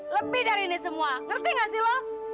lebih dari ini semua ngerti gak sih lo